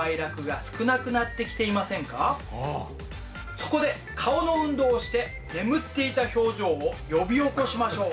そこで顔の運動をして眠っていた表情を呼び起こしましょう。